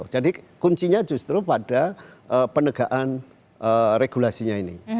jadi kuncinya justru pada penegaan regulasinya ini